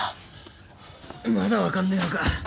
まだ分かんねえのか？